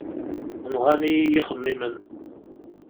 Nɣan-iyi yixemmimen.